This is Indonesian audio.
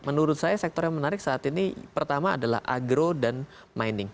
menurut saya sektor yang menarik saat ini pertama adalah agro dan mining